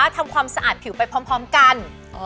ทำความสะอาดผิวไปพร้อมกัน